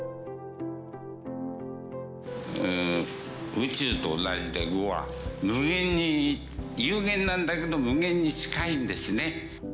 宇宙と同じで碁は無限に有限なんだけど無限に近いんですね。